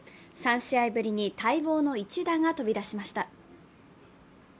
３試合ぶりに待望の一打が飛び出しました。